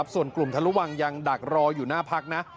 ส่วนกลุ่มทะลุวังยังดักรออยู่หน้าพักนะ